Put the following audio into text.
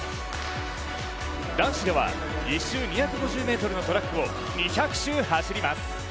男子では、１周２５０ｍのトラックを２００周走ります。